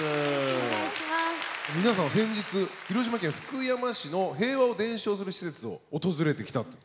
皆さんは先日広島県福山市の平和を伝承する施設を訪れてきたと。